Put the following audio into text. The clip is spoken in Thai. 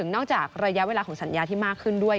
นอกจากระยะเวลาของสัญญาที่มากขึ้นด้วย